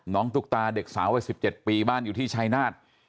ตุ๊กตาเด็กสาววัย๑๗ปีบ้านอยู่ที่ชายนาฏ